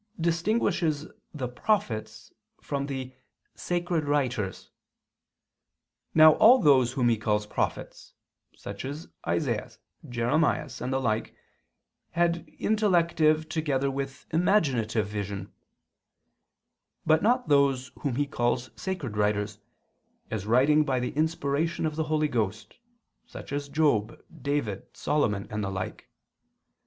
distinguishes the "prophets" from the "sacred writers." Now all those whom he calls prophets (such as Isaias, Jeremias, and the like) had intellective together with imaginative vision: but not those whom he calls sacred writers, as writing by the inspiration of the Holy Ghost (such as Job, David, Solomon, and the like).